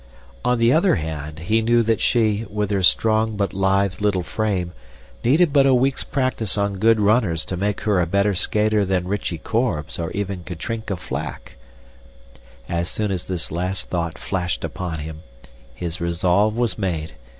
On the other hand, he knew that she, with her strong but lithe little frame, needed but a week's practice on good runners to make her a better skater than Rychie Korbes or even Katrinka Flack. As soon as this last thought flashed upon him, his resolve was made.